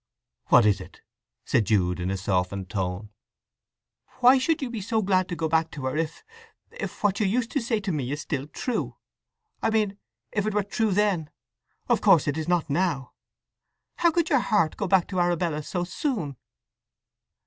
"What is it?" said Jude, in a softened tone. "Why should you be so glad to go back to her if—if what you used to say to me is still true—I mean if it were true then! Of course it is not now! How could your heart go back to Arabella so soon?"